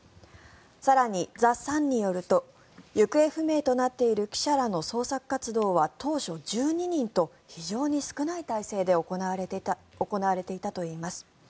更に、ザ・サンによると行方不明となっている記者らの捜索活動は当初、１２人と非常に少ない態勢で行われていたといいます。